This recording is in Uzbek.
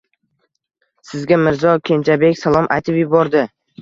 – Sizga Mirzo Kenjabek salom aytib yubordi.